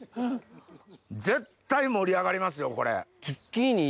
絶対盛り上がりますよこれ。